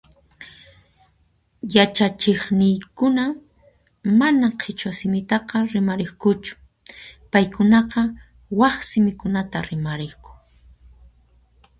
yachachiqniykuna mana qhechua simitaqa rimariqkuchu, paykunaqa, waq simikunata rimariqku.